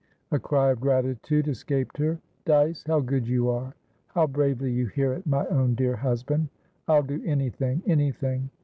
A cry of gratitude escaped her. "Dyce! How good you are! How bravely you hear it, my own dear husband. I'll do anything, anything!